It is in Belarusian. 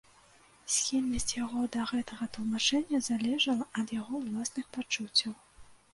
Схільнасць яго да гэтага тлумачэння залежала ад яго ўласных пачуццяў.